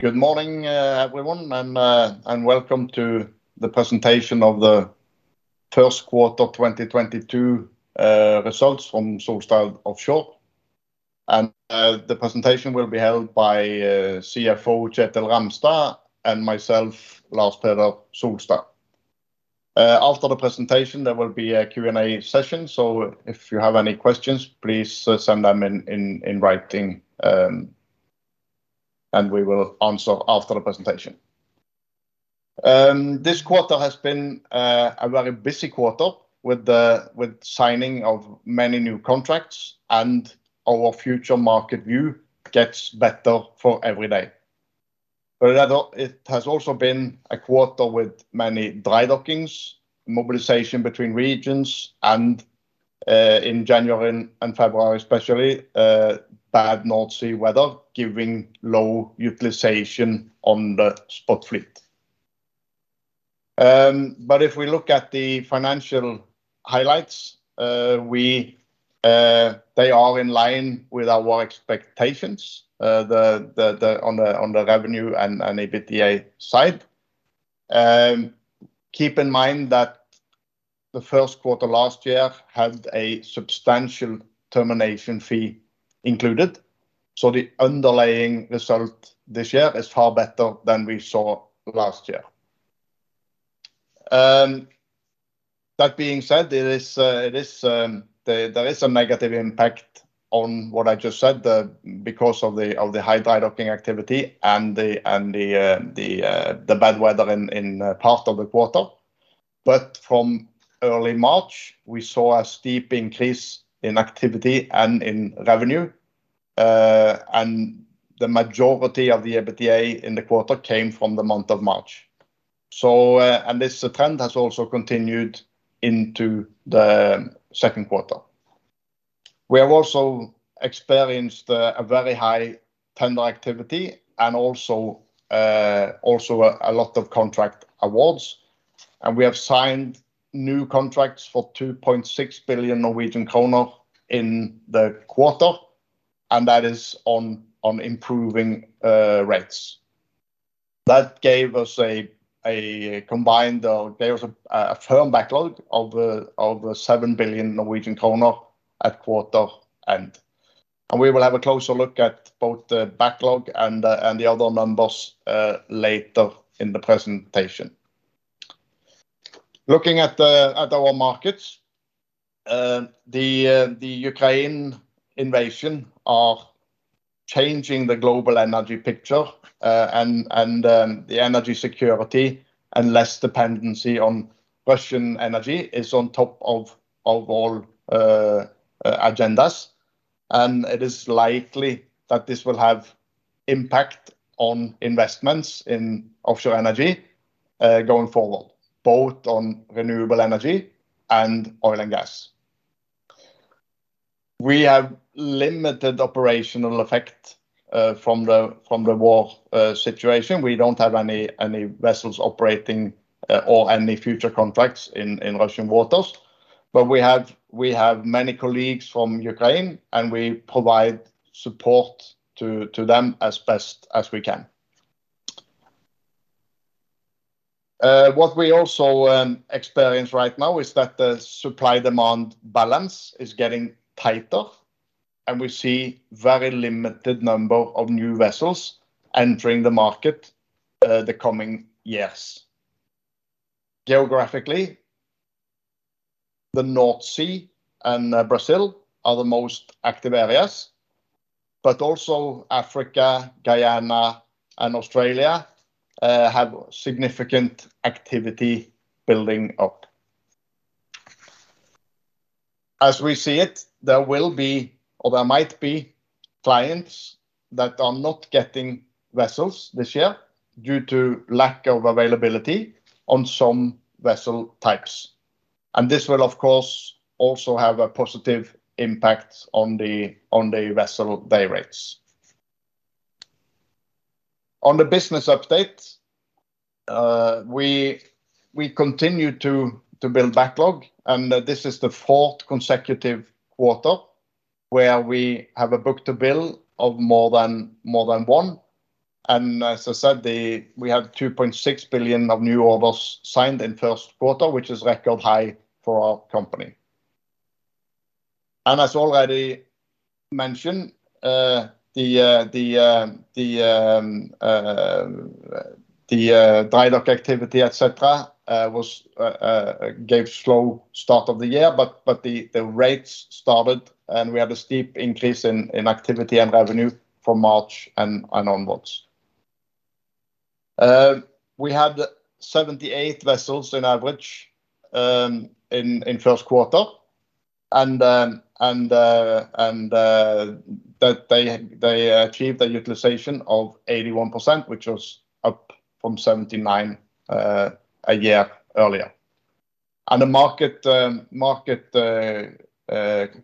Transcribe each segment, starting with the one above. Good morning, everyone, and welcome to the presentation of the first quarter 2022 results from Solstad Offshore. The presentation will be held by CFO Kjetil Ramstad and myself, Lars Peder Solstad. After the presentation, there will be a Q&A session, so if you have any questions, please send them in writing, and we will answer after the presentation. This quarter has been a very busy quarter with the signing of many new contracts, and our future market view gets better for every day. It has also been a quarter with many dry dockings, mobilization between regions, and in January and February especially, bad North Sea weather giving low utilization on the spot fleet. If we look at the financial highlights, they are in line with our expectations on the revenue and EBITDA side. Keep in mind that the first quarter last year had a substantial termination fee included, so the underlying result this year is far better than we saw last year. That being said, there is a negative impact on what I just said because of the high dry docking activity and the bad weather in part of the quarter. From early March, we saw a steep increase in activity and in revenue, and the majority of the EBITDA in the quarter came from the month of March. This trend has also continued into the second quarter. We have also experienced a very high tender activity and also a lot of contract awards, and we have signed new contracts for 2.6 billion Norwegian kroner in the quarter, and that is on improving rates. That gave us a combined or gave us a firm backlog of over 7 billion Norwegian kroner at quarter end. We will have a closer look at both the backlog and the other numbers later in the presentation. Looking at our markets, the Ukraine invasion is changing the global energy picture, and the energy security and less dependency on Russian energy is on top of all agendas. It is likely that this will have impact on investments in offshore energy going forward, both on renewable energy and oil and gas. We have limited operational effect from the war situation. We don't have any vessels operating or any future contracts in Russian waters, but we have many colleagues from Ukraine, and we provide support to them as best as we can. What we also experience right now is that the supply-demand balance is getting tighter, and we see a very limited number of new vessels entering the market the coming years. Geographically, the North Sea and Brazil are the most active areas, but also Africa, Guyana, and Australia have significant activity building up. As we see it, there will be or there might be clients that are not getting vessels this year due to lack of availability on some vessel types. This will, of course, also have a positive impact on the vessel variants. On the business update, we continue to build backlog, and this is the fourth consecutive quarter where we have a book-to-bill of more than one. As I said, we had 2.6 billion of new orders signed in the first quarter, which is record high for our company. As already mentioned, the dry dock activity, etc., gave a slow start of the year, but the rates started, and we had a steep increase in activity and revenue from March and onwards. We had 78 vessels on average in the first quarter, and they achieved a utilization of 81%, which was up from 79% a year earlier. The market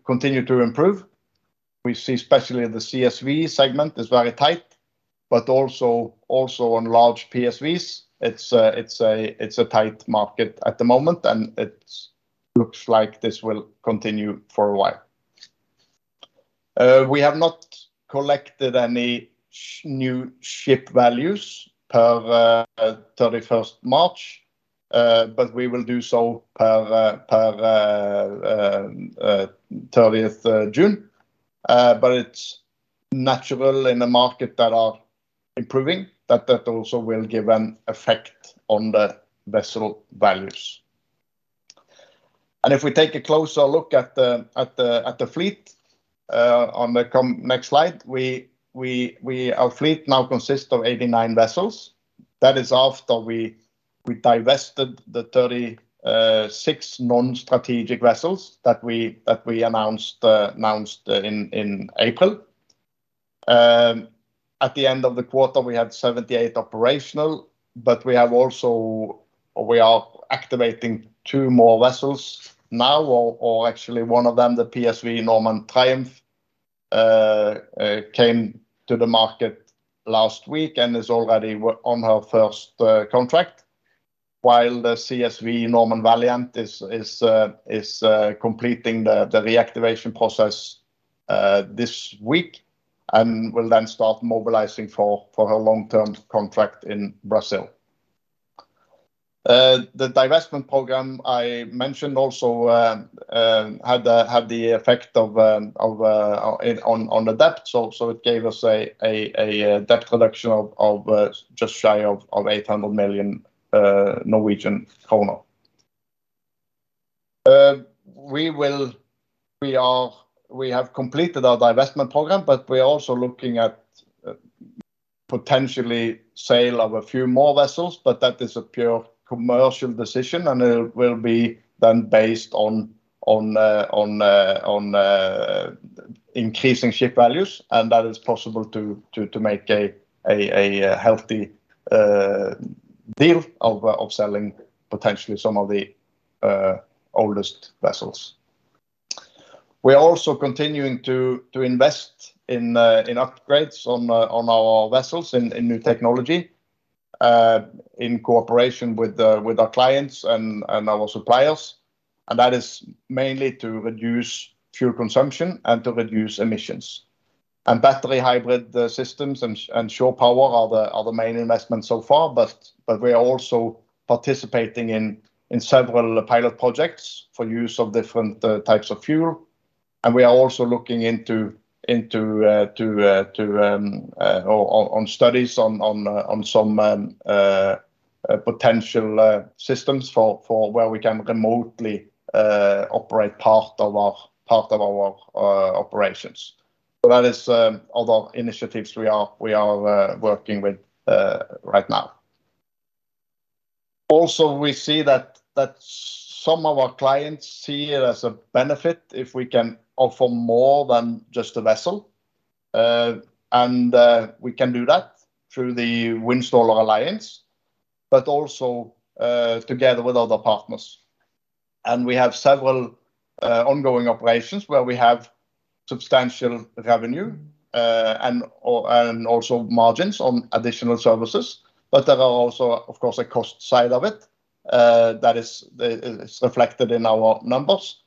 continued to improve. We see especially the CSV segment is very tight, but also on large PSVs. It's a tight market at the moment, and it looks like this will continue for a while. We have not collected any new ship values per 31st March, but we will do so per 30th June. It's natural in a market that is improving that that also will give an effect on the vessel values. If we take a closer look at the fleet on the next slide, our fleet now consists of 89 vessels. That is after we divested the 36 non-strategic vessels that we announced in April. At the end of the quarter, we had 78 operational, but we have also, or we are activating two more vessels now, or actually one of them, the PSV Normand Triumph, came to the market last week and is already on her first contract, while the CSV Normand Valiant is completing the reactivation process this week and will then start mobilizing for her long-term contract in Brazil. The divestment program I mentioned also had the effect on the debt, so it gave us a debt reduction of just shy of 800 million Norwegian kroner. We have completed our divestment program, but we are also looking at potentially the sale of a few more vessels, but that is a pure commercial decision, and it will be then based on increasing ship values. That is possible to make a healthy deal of selling potentially some of the oldest vessels. We are also continuing to invest in upgrades on our vessels in new technology in cooperation with our clients and our suppliers. That is mainly to reduce fuel consumption and to reduce emissions. Battery hybrid systems and shore power are the main investments so far, but we are also participating in several pilot projects for use of different types of fuel. We are also looking into studies on some potential systems for where we can remotely operate part of our operations. That is other initiatives we are working with right now. We see that some of our clients see it as a benefit if we can offer more than just a vessel, and we can do that through the Wind Solar Alliance, but also together with other partners. We have several ongoing operations where we have substantial revenue and also margins on additional services. There is also, of course, a cost side of it that is reflected in our numbers.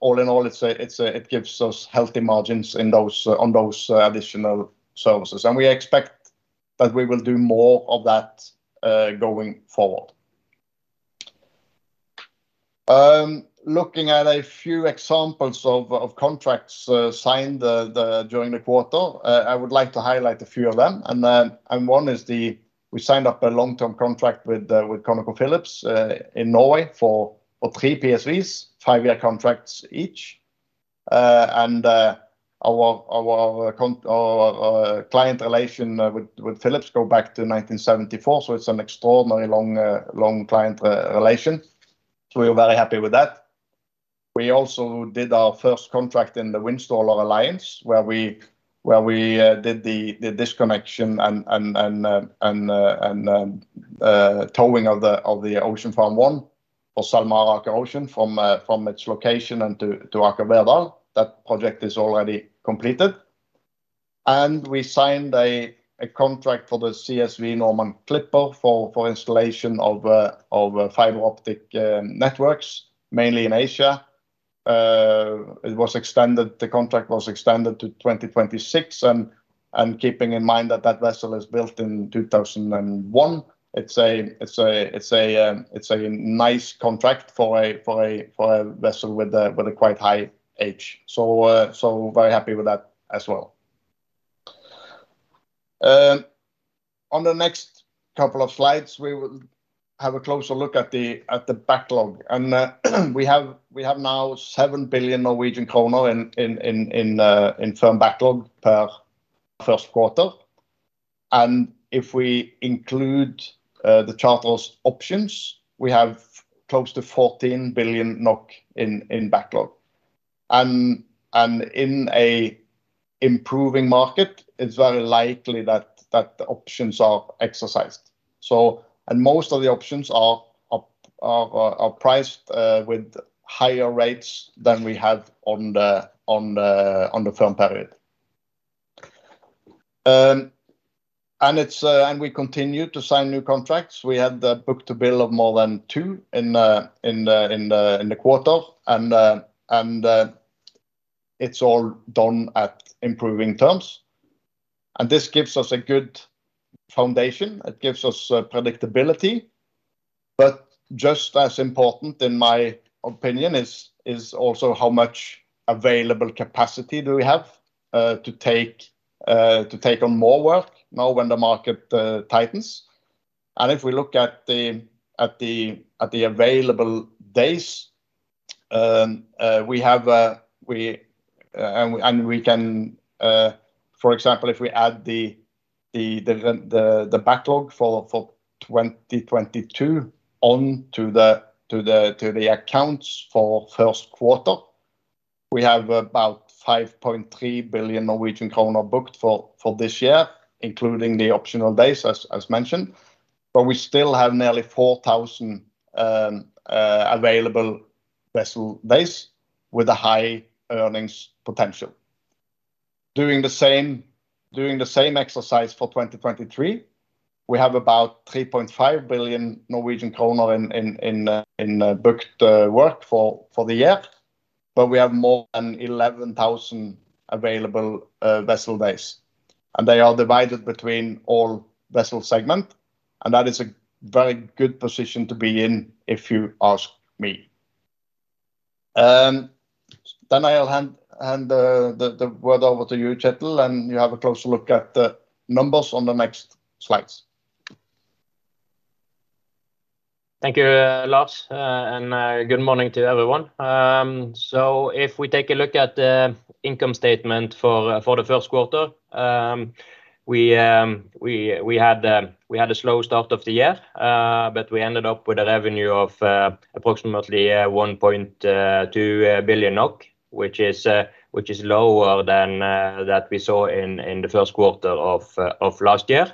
All in all, it gives us healthy margins on those additional services. We expect that we will do more of that going forward. Looking at a few examples of contracts signed during the quarter, I would like to highlight a few of them. One is we signed up a long-term contract with ConocoPhillips in Norway for three PSVs, five-year contracts each. Our client relation with Phillips goes back to 1974, so it's an extraordinarily long client relation. We are very happy with that. We also did our first contract in the Wind Solar Alliance where we did the disconnection and towing of the Ocean Farm 1 for Salmar Aker Ocean from its location to Aker Verdal. That project is already completed. We signed a contract for the CSV Normand Clipper for installation of fiber optic networks, mainly in Asia. The contract was extended to 2026. Keeping in mind that that vessel is built in 2001, it's a nice contract for a vessel with a quite high age. Very happy with that as well. On the next couple of slides, we will have a closer look at the backlog. We have now 7 billion Norwegian kroner in firm backlog per first quarter. If we include the charter options, we have close to 14 billion NOK in backlog. In an improving market, it's very likely that the options are exercised. Most of the options are priced with higher rates than we had on the firm period. We continue to sign new contracts. We had a book-to-bill of more than two in the quarter, and it's all done at improving terms. This gives us a good foundation. It gives us predictability. Just as important, in my opinion, is also how much available capacity we have to take on more work now when the market tightens. If we look at the available days we have, and we can, for example, if we add the backlog for 2022 onto the accounts for first quarter, we have about 5.3 billion Norwegian kroner booked for this year, including the optional days as mentioned. We still have nearly 4,000 available vessel days with a high earnings potential. Doing the same exercise for 2023, we have about 3.5 billion Norwegian kroner in booked work for the year, but we have more than 11,000 available vessel days. They are divided between all vessel segments, and that is a very good position to be in if you ask me. I'll hand the word over to you, Kjetil, and you have a closer look at the numbers on the next slides. Thank you, Lars, and good morning to everyone. If we take a look at the income statement for the first quarter, we had a slow start of the year, but we ended up with a revenue of approximately 1.2 billion NOK, which is lower than what we saw in the first quarter of last year.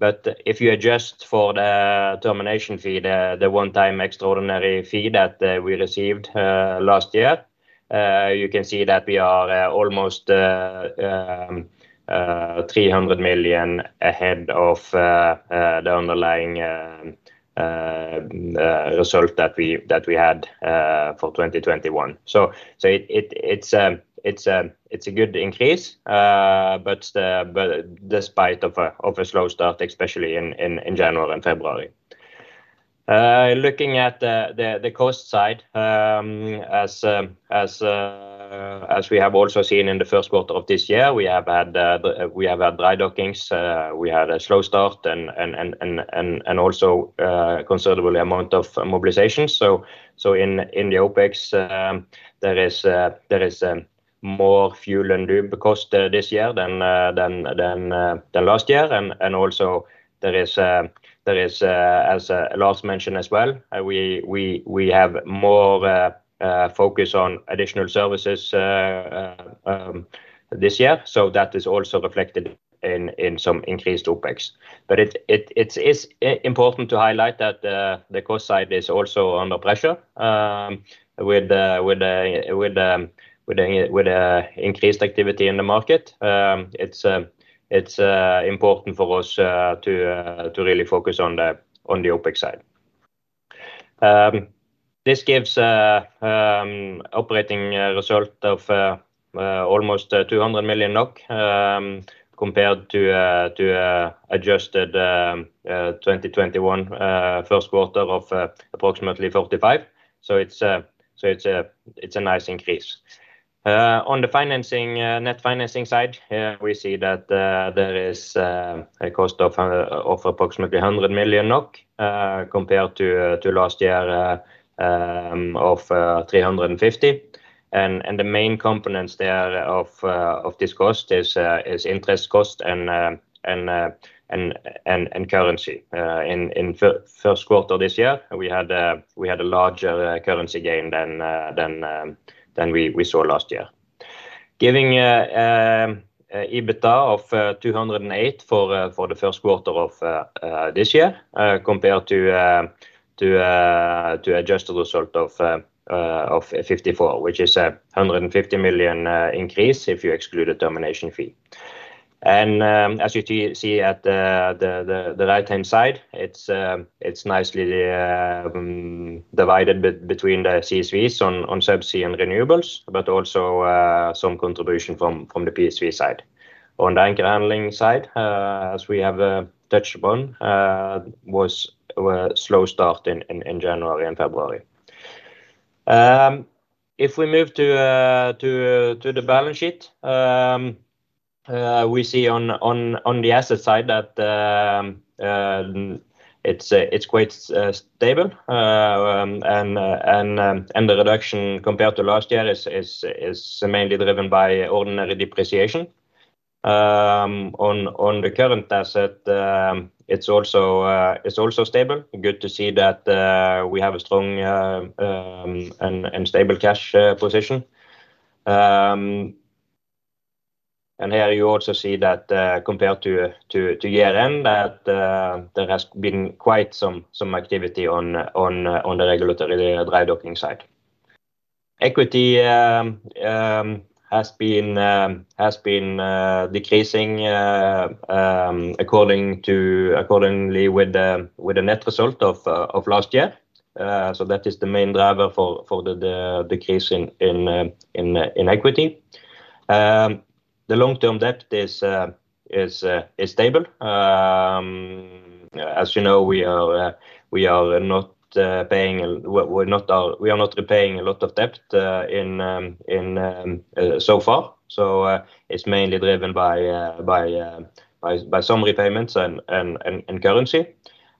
If you adjust for the termination fee, the one-time extraordinary fee that we received last year, you can see that we are almost 300 million ahead of the underlying result that we had for 2021. It's a good increase, despite a slow start, especially in January and February. Looking at the cost side, as we have also seen in the first quarter of this year, we have had dry dockings, we had a slow start, and also a considerable amount of mobilization. In the OpEx, there is more fuel and lube cost this year than last year. As Lars mentioned as well, we have more focus on additional services this year. That is also reflected in some increased OpEx. It's important to highlight that the cost side is also under pressure with the increased activity in the market. It's important for us to really focus on the OpEx side. This gives an operating result of almost 200 million NOK compared to an adjusted 2021 first quarter of approximately 45 million. It's a nice increase. On the net financing side, we see that there is a cost of approximately 100 million NOK compared to last year of 350 million. The main components of this cost are interest cost and currency. In the first quarter of this year, we had a larger currency gain than we saw last year, giving an EBITDA of 208 million for the first quarter of this year compared to an adjusted result of 54 million, which is a 150 million increase if you exclude the termination fee. As you see at the right-hand side, it's nicely divided between the CSVs on subsea and renewables, but also some contribution from the PSV side. On the anchor handling side, as we have touched upon, it was a slow start in January and February. If we move to the balance sheet, we see on the asset side that it's quite stable. The reduction compared to last year is mainly driven by ordinary depreciation. On the current asset, it's also stable. Good to see that we have a strong and stable cash position. Here, you also see that compared to year-end, there has been quite some activity on the regulatory dry docking side. Equity has been decreasing accordingly with the net result of last year. That is the main driver for the decrease in equity. The long-term debt is stable. As you know, we are not paying a lot of debt so far. It is mainly driven by some repayments and currency.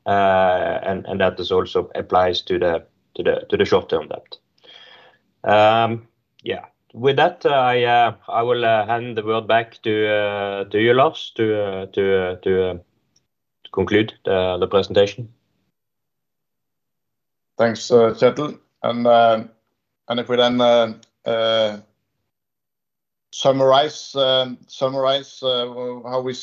That also applies to the short-term debt. With that, I will hand the word back to you, Lars, to conclude the presentation. Thanks, Kjetil. If we then summarize how we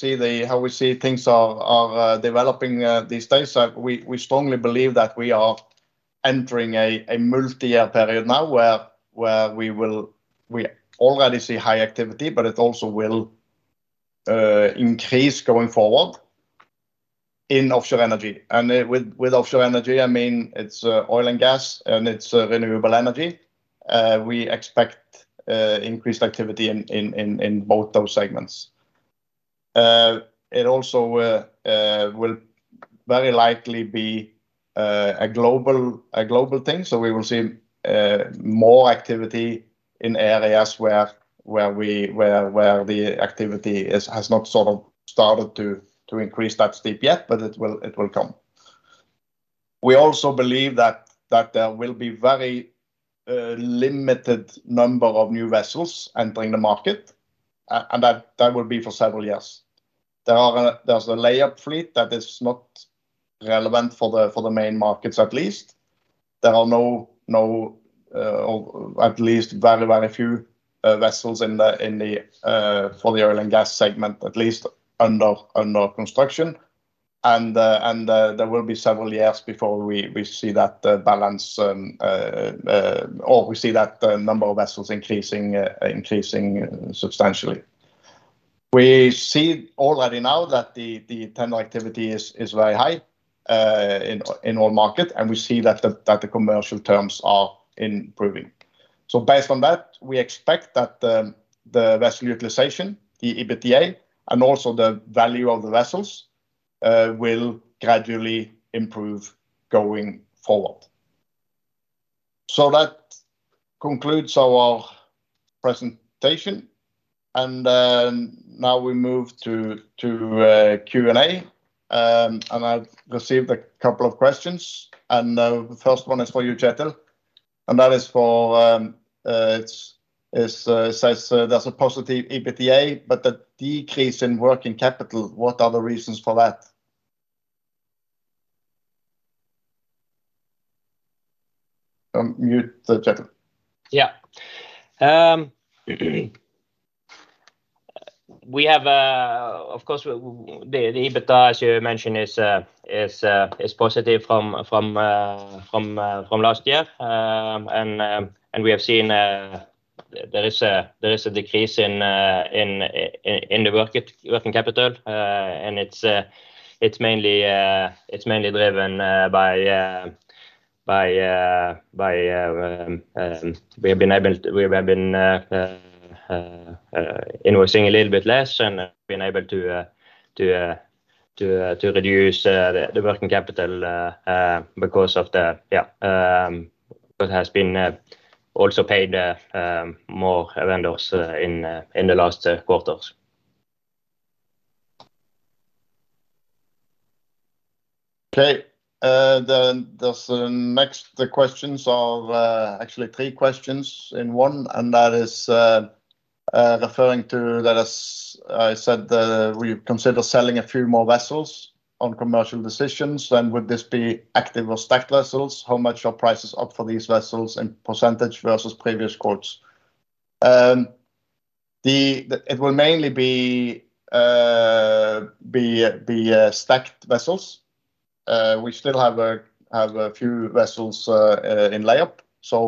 see things are developing these days, we strongly believe that we are entering a multi-year period now where we will already see high activity, but it also will increase going forward in offshore energy. With offshore energy, I mean it's oil and gas, and it's renewable energy. We expect increased activity in both those segments. It also will very likely be a global thing. We will see more activity in areas where the activity has not sort of started to increase that steep yet, but it will come. We also believe that there will be a very limited number of new vessels entering the market, and that will be for several years. There's a layered fleet that is not relevant for the main markets, at least. There are no, at least very, very few vessels for the oil and gas segment, at least under construction. There will be several years before we see that balance or we see that number of vessels increasing substantially. We see already now that the tender activity is very high in all markets, and we see that the commercial terms are improving. Based on that, we expect that the vessel utilization, the EBITDA, and also the value of the vessels will gradually improve going forward. That concludes our presentation. Now we move to Q&A. I've received a couple of questions. The first one is for you, Kjetil. That is for, it says there's a positive EBITDA, but the decrease in working capital. What are the reasons for that? Yeah. We have, of course, the EBITDA, as you mentioned, is positive from last year. We have seen there is a decrease in the working capital. It's mainly driven by we have been able to, we have been invoicing a little bit less and have been able to reduce the working capital because it has been also paid more vendors in the last quarters. Okay. The next questions are actually three questions in one. That is referring to, as I said, we consider selling a few more vessels on commercial decisions. Would this be active or stacked vessels? How much are prices up for these vessels in percentage versus previous quotes? It will mainly be stacked vessels. We still have a few vessels in layup.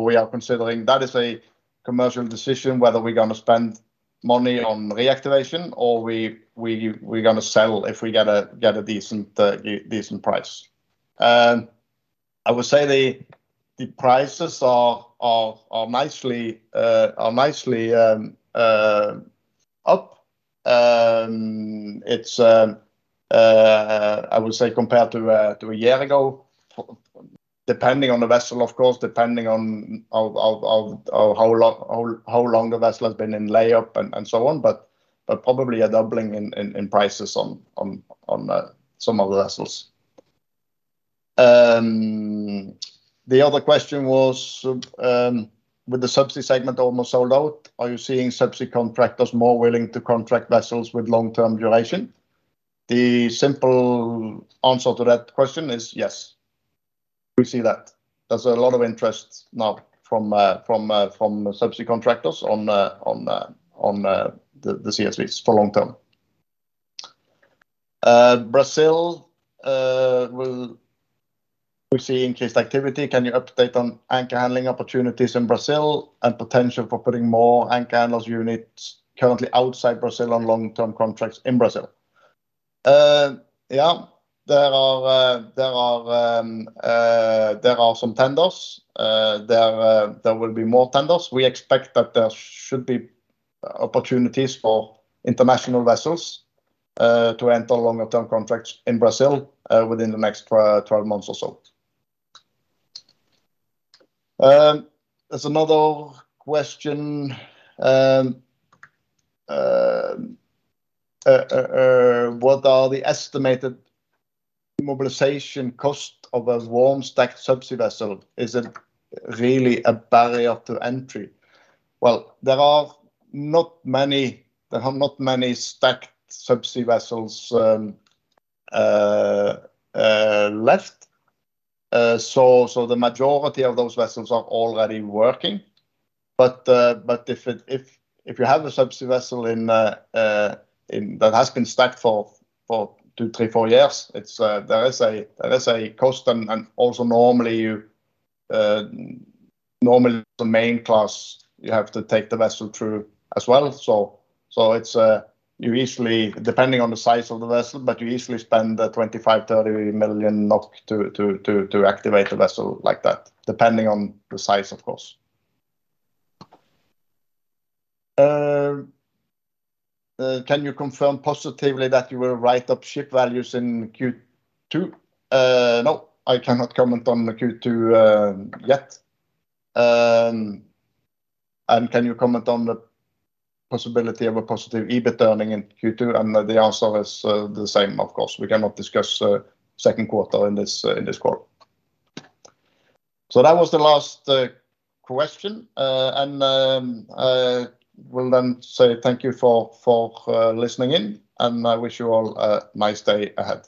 We are considering that as a commercial decision whether we're going to spend money on reactivation or we're going to sell if we get a decent price. I would say the prices are nicely up. I would say compared to a year ago, depending on the vessel, of course, depending on how long the vessel has been in layup and so on, but probably a doubling in prices on some of the vessels. The other question was, with the subsea segment almost sold out, are you seeing subsea contractors more willing to contract vessels with long-term duration? The simple answer to that question is yes. We see that. There's a lot of interest now from subsea contractors on the CSVs for long term. Brazil, we see increased activity. Can you update on anchor handling opportunities in Brazil and potential for putting more anchor handlers units currently outside Brazil on long-term contracts in Brazil? Yeah. There are some tenders. There will be more tenders. We expect that there should be opportunities for international vessels to enter longer-term contracts in Brazil within the next 12 months or so. There's another question. What are the estimated mobilization costs of a warm stacked subsea vessel? Is it really a barrier to entry? There are not many stacked subsea vessels left. The majority of those vessels are already working. If you have a subsea vessel that has been stacked for two, three, four years, there is a cost. Normally, the main class, you have to take the vessel through as well. Usually, depending on the size of the vessel, but you usually spend 25 million NOK, 30 million NOK to activate a vessel like that, depending on the size, of course. Can you confirm positively that you will write up ship values in Q2? No, I cannot comment on the Q2 yet. Can you comment on the possibility of a positive EBITDA earning in Q2? The answer is the same, of course. We cannot discuss the second quarter in this quarter. That was the last question. We'll then say thank you for listening in. I wish you all a nice day ahead.